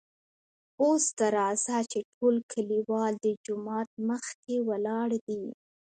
اوس ته راځه چې ټول کليوال دجومات مخکې ولاړ دي .